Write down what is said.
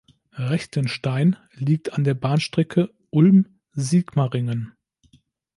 Rechtenstein liegt an der Bahnstrecke Ulm–Sigmaringen.